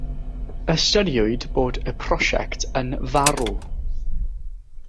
Ystyriwyd bod y prosiect yn farw.